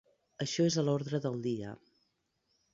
Això és a l’ordre del dia.